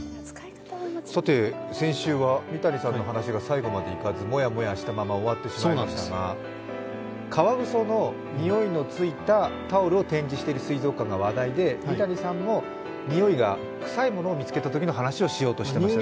先週は三谷さんの話が最後までいかずもやもやしたまま終わってしまいましたが、カワウソのにおいのついたタオルを展示している水族館が話題で、三谷さんもにおいが臭いものを見つけたときの話をしようとしていましたね。